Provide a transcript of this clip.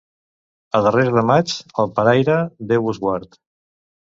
A darrers de maig, el paraire, «Déu vos guard».